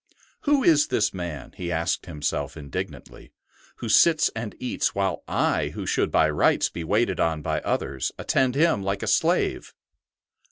'' Who is this man," he asked himself indignantly, who sits and eats, while I, who should by rights be waited on by others, attend him like a slave?"